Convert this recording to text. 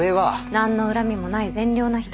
何の恨みもない善良な人に。